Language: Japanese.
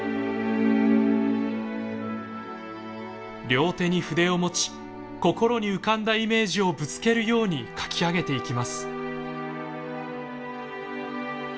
両手に筆を持ち心に浮かんだイメージをぶつけるように描き上げていきます。